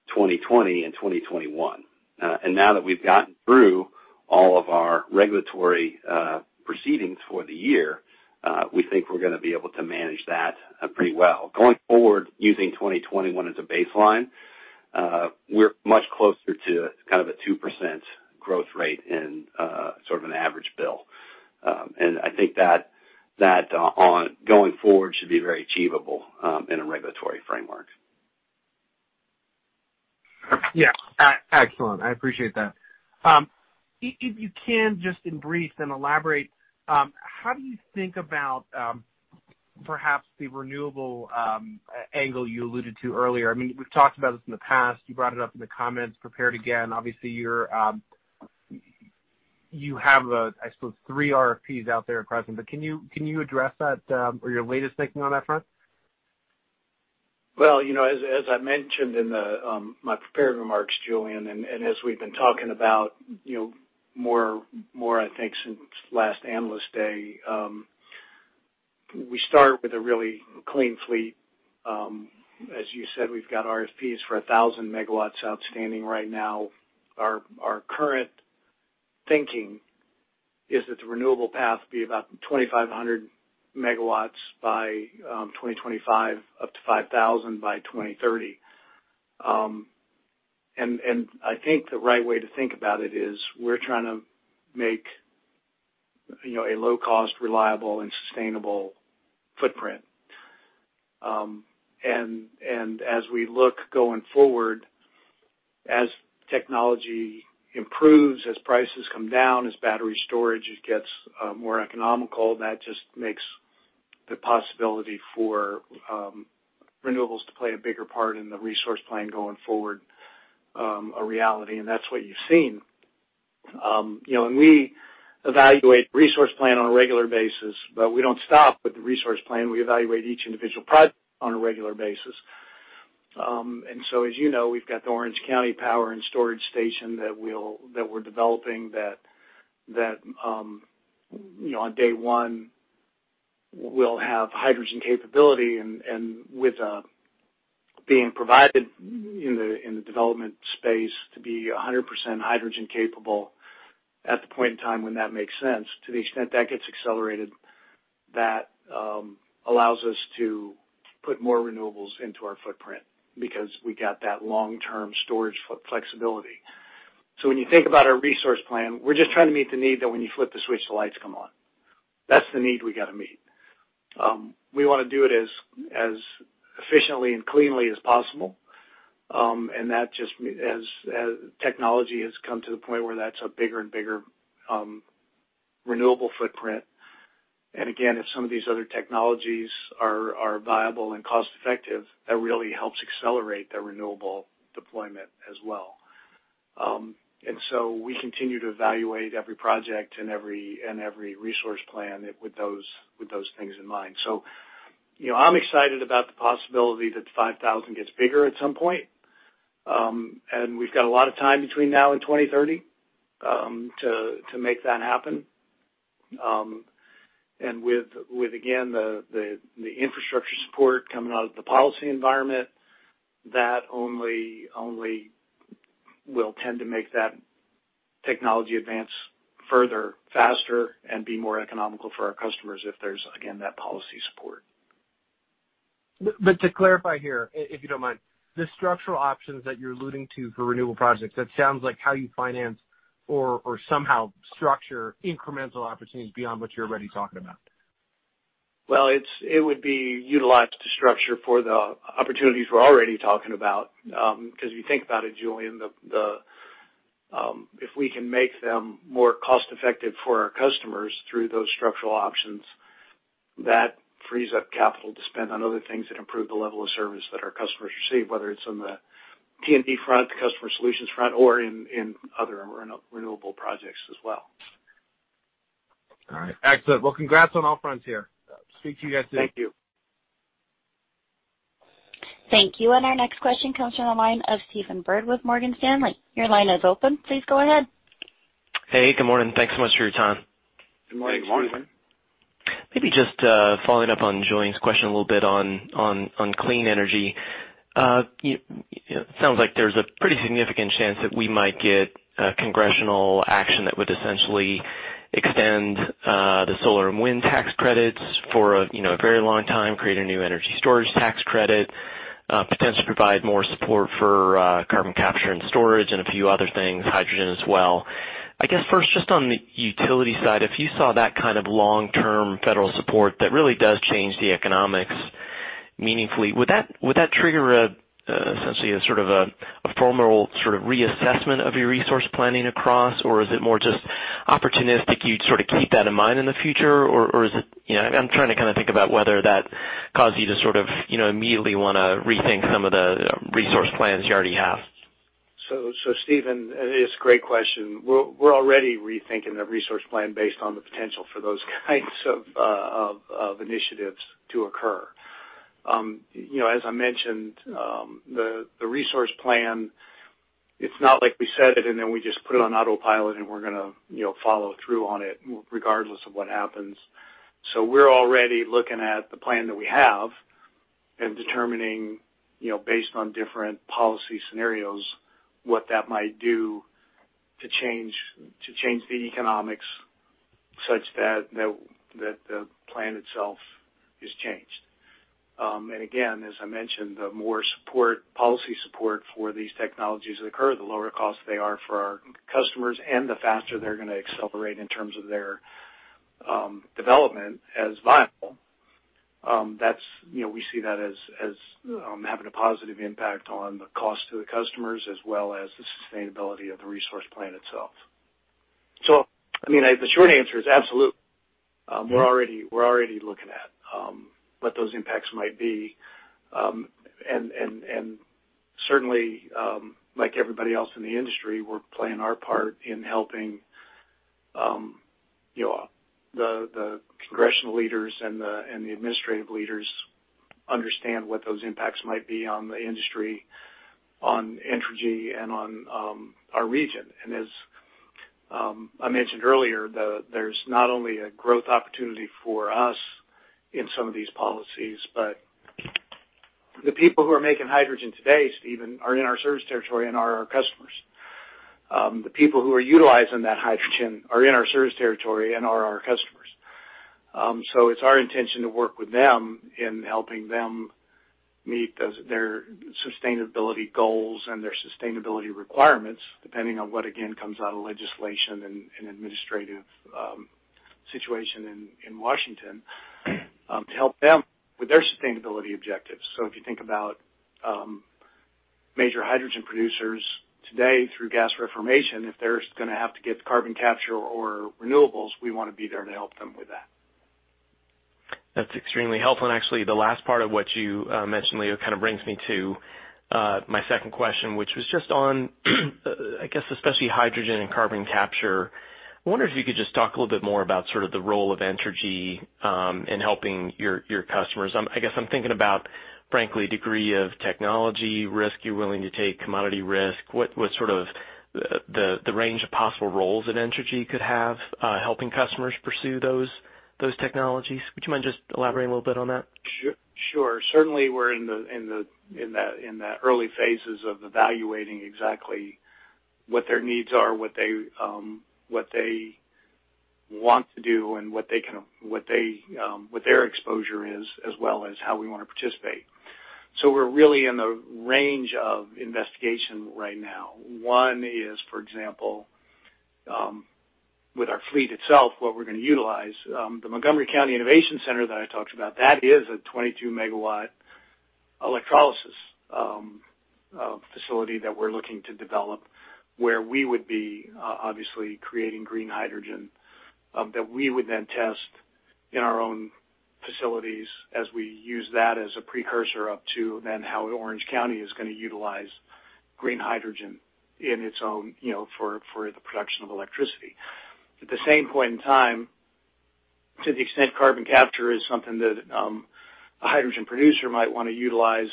2020 and 2021. Now that we've gotten through all of our regulatory proceedings for the year, we think we're going to be able to manage that pretty well. Going forward using 2021 as a baseline, we're much closer to kind of a 2% growth rate in sort of an average bill. I think that going forward should be very achievable in a regulatory framework. Yeah. Excellent. I appreciate that. If you can, just in brief, and elaborate, how do you think about perhaps the renewable angle you alluded to earlier? I mean, we've talked about this in the past. You brought it up in the comments prepared again. Obviously, you have, I suppose, three RFPs out there at present. Can you address that, or your latest thinking on that front? As I mentioned in my prepared remarks, Julien, and as we've been talking about more I think since last Analyst Day, we start with a really clean fleet. As you said, we've got RFPs for 1,000 MW outstanding right now. Our current thinking is that the renewable path be about 2,500 MW by 2025, up to 5,000 by 2030. I think the right way to think about it is we're trying to make a low cost, reliable, and sustainable footprint. As we look going forward, as technology improves, as prices come down, as battery storage gets more economical, that just makes the possibility for renewables to play a bigger part in the resource plan going forward a reality. That's what you've seen. We evaluate the resource plan on a regular basis, but we don't stop with the resource plan. We evaluate each individual project on a regular basis. As you know, we've got the Orange County Advanced Power Station that we're developing that on day one will have hydrogen capability and with being provided in the development space to be 100% hydrogen capable at the point in time when that makes sense. To the extent that gets accelerated, that allows us to put more renewables into our footprint because we got that long-term storage flexibility. When you think about our resource plan, we're just trying to meet the need that when you flip the switch, the lights come on. That's the need we got to meet. We want to do it as efficiently and cleanly as possible. That just as technology has come to the point where that's a bigger and bigger renewable footprint. Again, if some of these other technologies are viable and cost effective, that really helps accelerate the renewable deployment as well. We continue to evaluate every project and every resource plan with those things in mind. I'm excited about the possibility that the 5,000 gets bigger at some point. We've got a lot of time between now and 2030 to make that happen. With, again, the infrastructure support coming out of the policy environment, that only will tend to make that technology advance further, faster, and be more economical for our customers if there's, again, that policy support. To clarify here, if you don't mind, the structural options that you're alluding to for renewable projects, that sounds like how you finance or somehow structure incremental opportunities beyond what you're already talking about. Well, it would be utilized to structure for the opportunities we're already talking about. If you think about it, Julien, if we can make them more cost-effective for our customers through those structural options, that frees up capital to spend on other things that improve the level of service that our customers receive, whether it's on the T&D front, the customer solutions front, or in other renewable projects as well. All right. Excellent. Well, congrats on all fronts here. Speak to you guys soon. Thank you. Thank you. Our next question comes from the line of Stephen Byrd with Morgan Stanley. Your line is open. Please go ahead. Hey, good morning. Thanks so much for your time. Good morning, Stephen. Good morning. Maybe just following up on Julien's question a little bit on clean energy. It sounds like there's a pretty significant chance that we might get congressional action that would essentially extend the solar and wind tax credits for a very long time, create a new energy storage tax credit, potentially provide more support for carbon capture and storage and a few other things, hydrogen as well. I guess first, just on the utility side, if you saw that kind of long-term federal support that really does change the economics meaningfully, would that trigger essentially a formal sort of reassessment of your resource planning across? Is it more just opportunistic, you'd sort of keep that in mind in the future? I'm trying to think about whether that caused you to immediately want to rethink some of the resource plans you already have. Stephen, it's a great question. We're already rethinking the resource plan based on the potential for those kinds of initiatives to occur. As I mentioned, the resource plan, it's not like we set it, we just put it on autopilot, we're going to follow through on it regardless of what happens. We're already looking at the plan that we have and determining, based on different policy scenarios, what that might do to change the economics such that the plan itself is changed. As I mentioned, the more policy support for these technologies occur, the lower cost they are for our customers and the faster they're going to accelerate in terms of their development as viable. We see that as having a positive impact on the cost to the customers as well as the sustainability of the resource plan itself. The short answer is absolutely. We're already looking at what those impacts might be. Certainly, like everybody else in the industry, we're playing our part in helping the congressional leaders and the administrative leaders understand what those impacts might be on the industry, on Entergy, and on our region. As I mentioned earlier, there's not only a growth opportunity for us in some of these policies, but the people who are making hydrogen today, Stephen, are in our service territory and are our customers. The people who are utilizing that hydrogen are in our service territory and are our customers. It's our intention to work with them in helping them meet their sustainability goals and their sustainability requirements, depending on what, again, comes out of legislation and administrative situation in Washington, to help them with their sustainability objectives. If you think about major hydrogen producers today through gas reformation, if they're going to have to get carbon capture or renewables, we want to be there to help them with that. That's extremely helpful. Actually, the last part of what you mentioned, Leo, kind of brings me to my second question, which was just on, I guess especially hydrogen and carbon capture. I wonder if you could just talk a little bit more about sort of the role of Entergy in helping your customers. I guess I'm thinking about, frankly, degree of technology risk you're willing to take, commodity risk. What's sort of the range of possible roles that Entergy could have helping customers pursue those technologies? Would you mind just elaborating a little bit on that? Sure. Certainly, we're in the early phases of evaluating exactly what their needs are, what they want to do, and what their exposure is, as well as how we want to participate. We're really in the range of investigation right now. One is, for example, with our fleet itself, what we're going to utilize. The Montgomery County Innovation Center that I talked about, that is a 22 MW electrolysis facility that we're looking to develop where we would be, obviously, creating green hydrogen that we would then test in our own facilities as we use that as a precursor up to then how Orange County is going to utilize green hydrogen in its own for the production of electricity. At the same point in time, to the extent carbon capture is something that a hydrogen producer might want to utilize,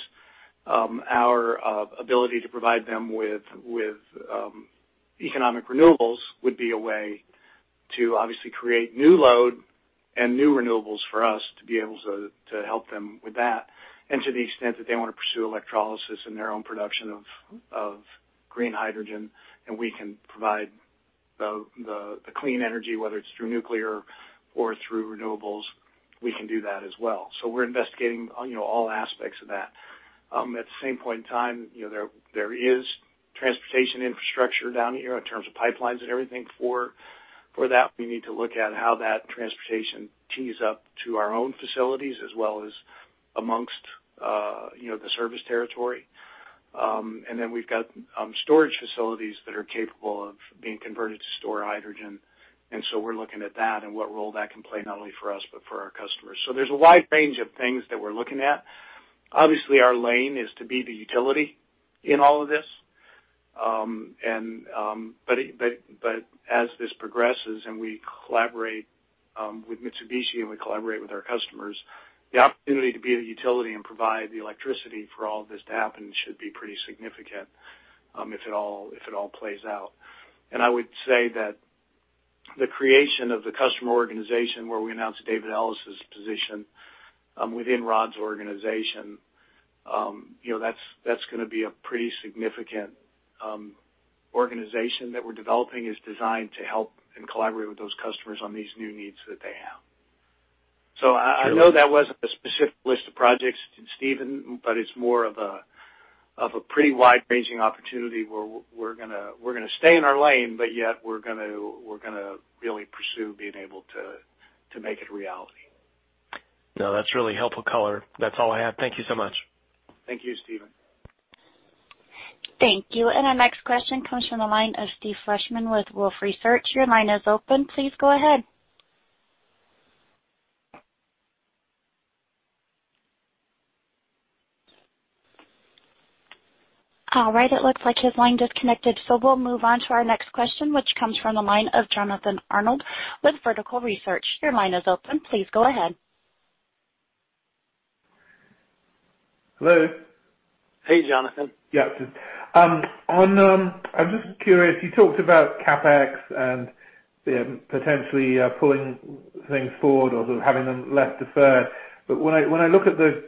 our ability to provide them with economic renewables would be a way to obviously create new load and new renewables for us to be able to help them with that. To the extent that they want to pursue electrolysis in their own production of green hydrogen, and we can provide the clean energy, whether it's through nuclear or through renewables, we can do that as well. We're investigating all aspects of that. At the same point in time, there is transportation infrastructure down here in terms of pipelines and everything for For that, we need to look at how that transportation tees up to our own facilities as well as amongst the service territory. Then we've got storage facilities that are capable of being converted to store hydrogen. So we're looking at that and what role that can play not only for us but for our customers. There's a wide range of things that we're looking at. Obviously, our lane is to be the utility in all of this. As this progresses and we collaborate with Mitsubishi and we collaborate with our customers, the opportunity to be the utility and provide the electricity for all of this to happen should be pretty significant if it all plays out. I would say that the creation of the customer organization where we announced David Ellis's position within Rod's organization, that's going to be a pretty significant organization that we're developing, is designed to help and collaborate with those customers on these new needs that they have. I know that wasn't a specific list of projects, Stephen, but it's more of a pretty wide-ranging opportunity where we're going to stay in our lane, but yet we're going to really pursue being able to make it reality. No, that's really helpful color. That's all I have. Thank you so much. Thank you, Stephen. Thank you. Our next question comes from the line of Steve Fleishman with Wolfe Research. Your line is open. Please go ahead. All right. It looks like his line disconnected, so we'll move on to our next question, which comes from the line of Jonathan Arnold with Vertical Research. Your line is open. Please go ahead. Hello. Hey, Jonathan. Yeah. I'm just curious, you talked about CapEx and potentially pulling things forward or having them less deferred, but when I look at the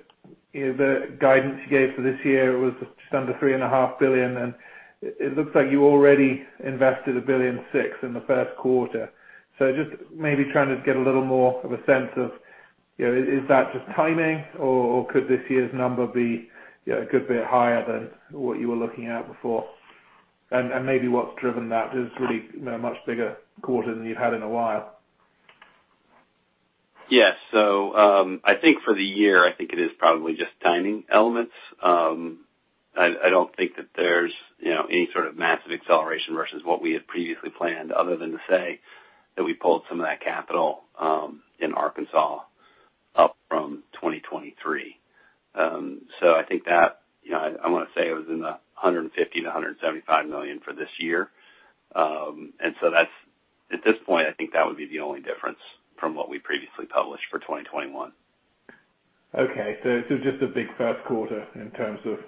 guidance you gave for this year, it was just under $3.5 billion, and it looks like you already invested $1.6 billion in the first quarter. Just maybe trying to get a little more of a sense of, is that just timing or could this year's number be a good bit higher than what you were looking at before? Maybe what's driven that is really much bigger quarter than you've had in a while. Yes. I think for the year, I think it is probably just timing elements. I don't think that there's any sort of massive acceleration versus what we had previously planned other than to say that we pulled some of that capital in Arkansas up from 2023. I think that, I want to say it was in the $150 million to $175 million for this year. At this point, I think that would be the only difference from what we previously published for 2021. Okay, just a big first quarter in terms of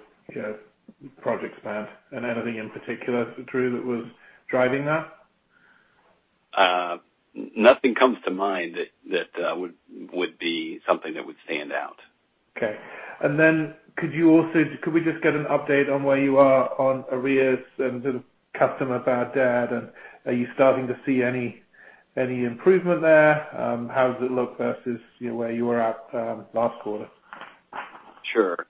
project spend. Anything in particular, Drew, that was driving that? Nothing comes to mind that would be something that would stand out. Okay. Could we just get an update on where you are on arrears and the customer bad debt, and are you starting to see any improvement there? How does it look versus where you were at last quarter? Sure.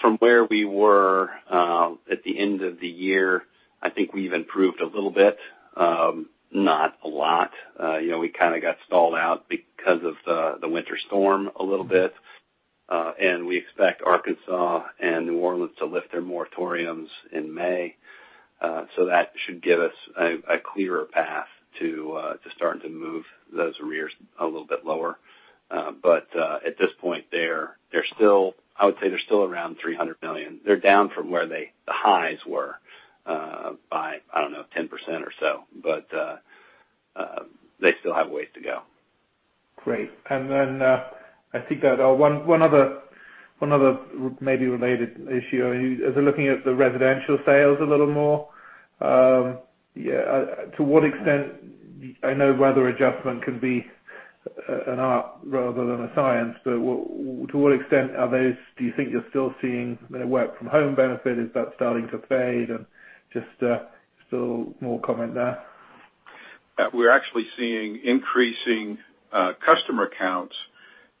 From where we were at the end of the year, I think we've improved a little bit. Not a lot. We kind of got stalled out because of the Winter Storm a little bit. We expect Arkansas and New Orleans to lift their moratoriums in May. That should give us a clearer path to starting to move those arrears a little bit lower. At this point, I would say they're still around $300 million. They're down from where the highs were by, I don't know, 10% or so. They still have a ways to go. Great. Then I think one other maybe related issue. As you're looking at the residential sales a little more, I know weather adjustment can be an art rather than a science, to what extent do you think you're still seeing work from home benefit? Is that starting to fade? Just if you have a little more comment there. We're actually seeing increasing customer counts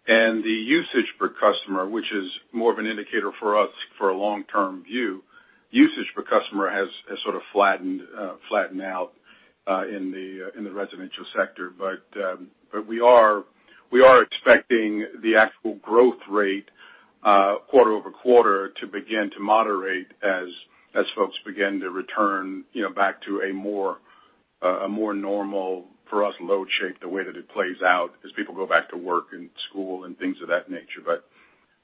and the usage per customer, which is more of an indicator for us for a long-term view. Usage per customer has sort of flattened out in the residential sector. We are expecting the actual growth rate quarter-over-quarter to begin to moderate as folks begin to return back to a more normal, for us, load shape, the way that it plays out as people go back to work and school and things of that nature.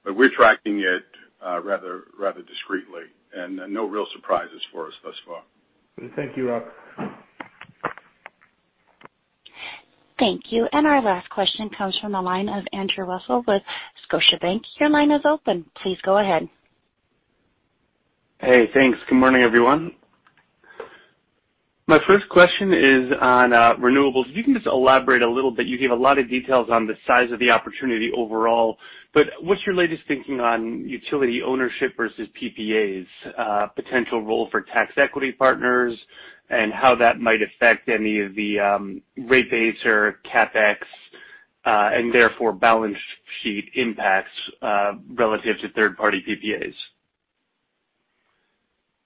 We're tracking it rather discreetly, and no real surprises for us thus far. Thank you, Rod West. Thank you. Our last question comes from the line of Andrew Weisel with Scotiabank. Your line is open. Please go ahead. Hey, thanks. Good morning, everyone. My first question is on renewables. If you can just elaborate a little bit, you gave a lot of details on the size of the opportunity overall, but what's your latest thinking on utility ownership versus PPAs, potential role for tax equity partners, and how that might affect any of the rate base or CapEx, and therefore balance sheet impacts relative to third-party PPAs?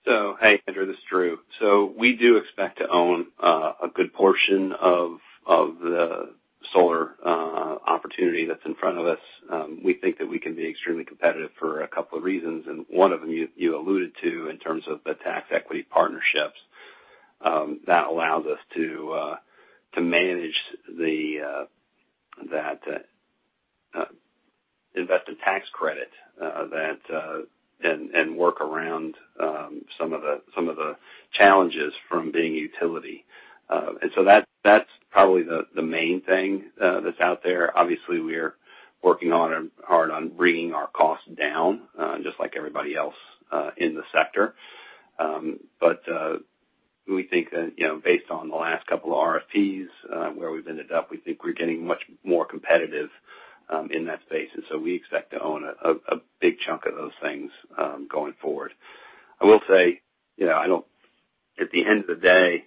Hey, Andrew Weisel, this is Drew Marsh. We do expect to own a good portion of the solar opportunity that's in front of us. We think that we can be extremely competitive for a couple of reasons, and one of them you alluded to in terms of the tax equity partnerships. That allows us to manage the investment tax credit and work around some of the challenges from being a utility. That's probably the main thing that's out there. Obviously, we're working hard on bringing our costs down, just like everybody else in the sector. We think that based on the last couple of RFPs where we've ended up, we think we're getting much more competitive in that space. We expect to own a big chunk of those things going forward. I will say, at the end of the day,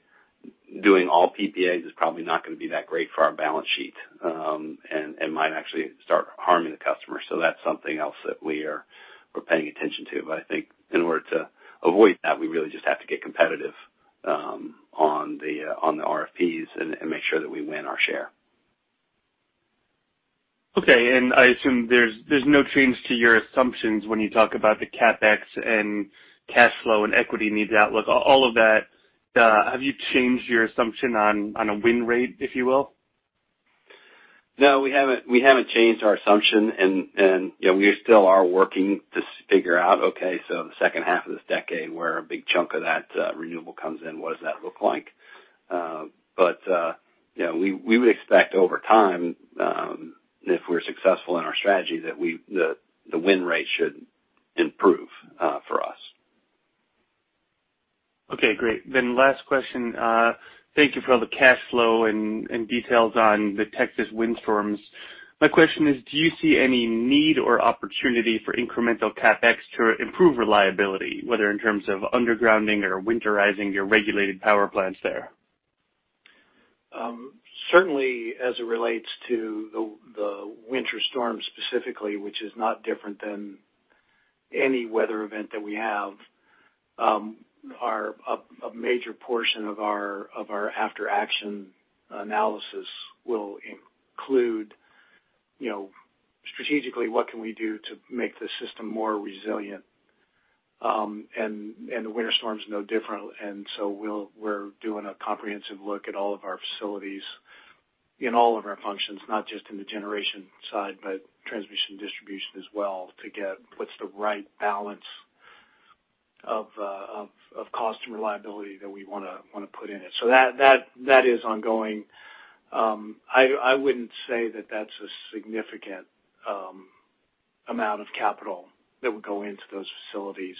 doing all PPAs is probably not going to be that great for our balance sheet, and might actually start harming the customer. That's something else that we're paying attention to. I think in order to avoid that, we really just have to get competitive on the RFPs and make sure that we win our share. Okay. I assume there's no change to your assumptions when you talk about the CapEx and cash flow and equity needs outlook, all of that. Have you changed your assumption on a win rate, if you will? No, we haven't changed our assumption. We still are working to figure out, okay, so the second half of this decade where a big chunk of that renewable comes in, what does that look like? We would expect over time, if we're successful in our strategy, that the win rate should improve for us. Okay, great. Last question. Thank you for all the cash flow and details on the Texas windstorms. My question is, do you see any need or opportunity for incremental CapEx to improve reliability, whether in terms of undergrounding or winterizing your regulated power plants there? Certainly as it relates to the Winter Storm specifically, which is not different than any weather event that we have, a major portion of our after-action analysis will include strategically what can we do to make the system more resilient? The Winter Storm is no different. We're doing a comprehensive look at all of our facilities in all of our functions, not just in the generation side, but Transmission Distribution as well, to get what's the right balance of cost and reliability that we want to put in it. That is ongoing. I wouldn't say that that's a significant amount of capital that would go into those facilities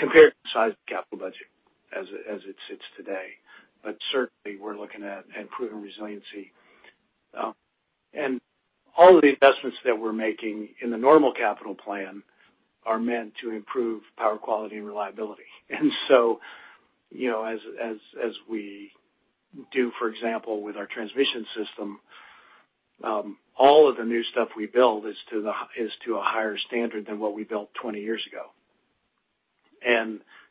compared to the size of the capital budget as it sits today. Certainly we're looking at improving resiliency. All of the investments that we're making in the normal capital plan are meant to improve power quality and reliability. As we do, for example, with our transmission system, all of the new stuff we build is to a higher standard than what we built 20 years ago.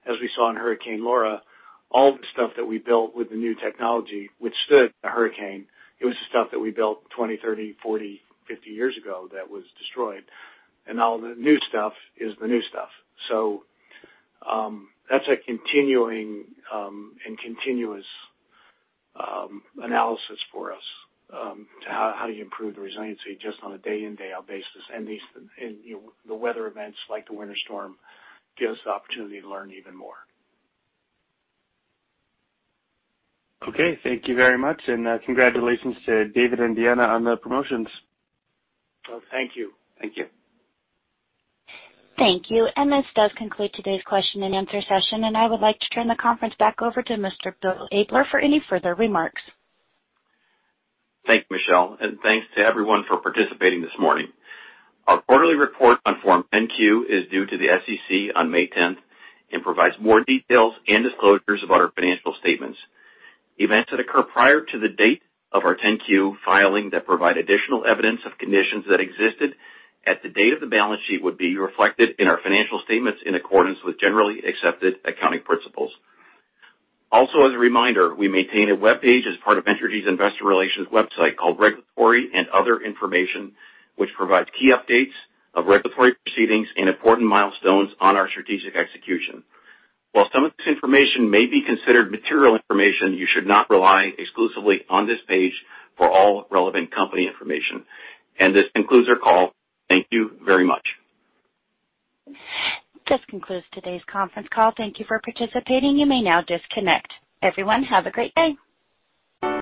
As we saw in Hurricane Laura, all the stuff that we built with the new technology, withstood the hurricane. It was the stuff that we built 20, 30, 40, 50 years ago that was destroyed. All the new stuff is the new stuff. That's a continuing and continuous analysis for us to how do you improve the resiliency just on a day-in day-out basis. The weather events like the winter storm give us the opportunity to learn even more. Okay, thank you very much, and congratulations to David and Deanna on the promotions. Oh, thank you. Thank you. Thank you. This does conclude today's question-and-answer session. I would like to turn the conference back over to Mr. Bill Abler for any further remarks. Thank you, Michelle, and thanks to everyone for participating this morning. Our quarterly report on Form 10-Q is due to the SEC on May 10th and provides more details and disclosures about our financial statements. Events that occur prior to the date of our 10-Q filing that provide additional evidence of conditions that existed at the date of the balance sheet would be reflected in our financial statements in accordance with generally accepted accounting principles. Also, as a reminder, we maintain a webpage as part of Entergy's investor relations website called Regulatory and Other Information, which provides key updates of regulatory proceedings and important milestones on our strategic execution. While some of this information may be considered material information, you should not rely exclusively on this page for all relevant company information. This concludes our call. Thank you very much. This concludes today's conference call. Thank you for participating. You may now disconnect. Everyone have a great day.